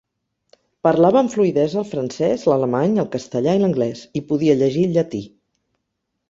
Parlava amb fluïdesa el francès, l'alemany, el castellà i l'anglès i podia llegir el llatí.